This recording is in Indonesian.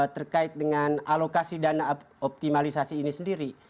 terkait dengan alokasi dana optimalisasi ini sendiri